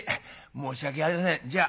「申し訳ありませんじゃあ。